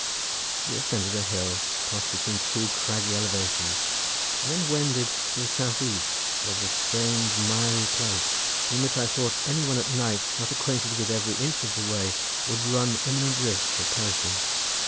We ascended a hill, passed between two craggy elevations, and then wended to the south east over a strange miry place, in which I thought any one at night not acquainted with every inch of the way would run imminent risk of perishing.